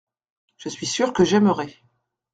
Je suis sûr que j’aimerai.